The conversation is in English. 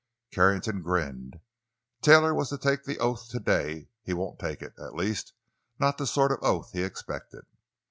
Carrington grinned. "Taylor was to take the oath today. He won't take it—at least, not the sort of oath he expected."